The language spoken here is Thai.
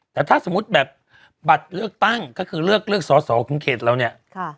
แต่ถ้าสมมุติแบบบัตรเลือกตั้งก็คือเลือกเลือกสอสอของเขตเราเนี่ย